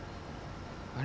あれ？